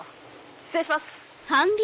失礼します！